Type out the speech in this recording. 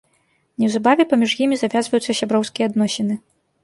Неўзабаве паміж імі завязваюцца сяброўскія адносіны.